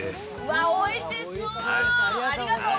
わ、おいしそーう。